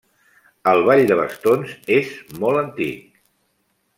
El Ball de bastons és molt antic.